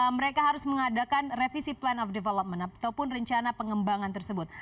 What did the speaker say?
mereka harus mengadakan revisi plan of development ataupun rencana pengembangan tersebut